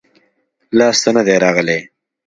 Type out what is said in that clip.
لاس ته نه دي راغلي-